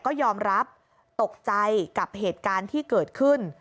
ก็ยอมรับตกใจกับเหตุการณ์ที่เกิดขึ้น